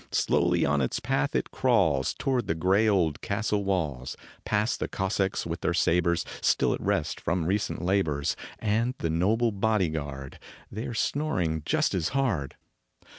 Slowly on its path it crawls Toward the gray old castle walls, Past the Cossacks with their sabers, Still at rest from recent labors, And the noble body guard They are snoring just as hard.